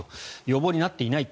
予防になっていない。